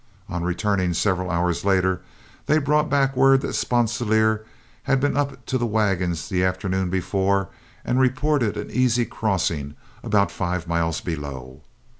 On returning several hours later, they brought back word that Sponsilier had been up to the wagons the afternoon before and reported an easy crossing about five miles below.